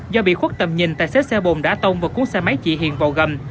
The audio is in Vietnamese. do bị khuất tầm nhìn tài xế xe bồn đã tông vào cuốn xe máy chị hiền vào gầm